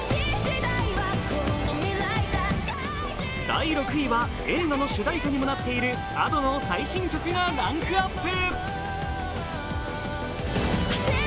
第６位は、映画の主題歌にもなっているＡｄｏの最新曲がランクアップ。